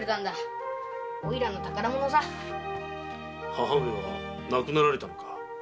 母上は亡くなられたのか？